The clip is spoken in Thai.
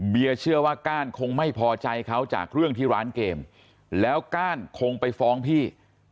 เชื่อว่าก้านคงไม่พอใจเขาจากเรื่องที่ร้านเกมแล้วก้านคงไปฟ้องพี่